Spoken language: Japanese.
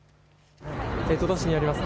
戸田市にあります